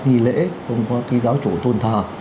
nghi lễ không có cái giáo chủ tôn thờ